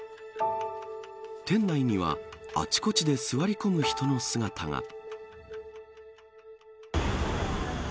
店内にはあちこちで座り込む人の姿が。